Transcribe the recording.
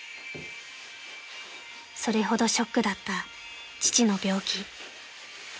［それほどショックだった父の病気］